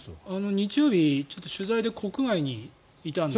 日曜日取材で国外にいたので。